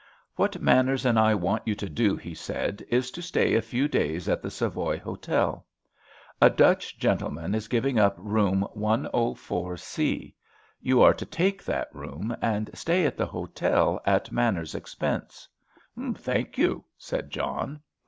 "What Manners and I want you to do," he said, "is to stay a few days at the Savoy Hotel. A Dutch gentleman is giving up Room 104C. You are to take that room, and stay at the hotel at Manners's expense." "Thank you," said John.